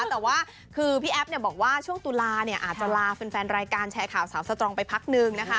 แต่ว่าคือพี่แอฟบอกว่าช่วงตุลาเนี่ยอาจจะลาแฟนรายการแชร์ข่าวสาวสตรองไปพักนึงนะคะ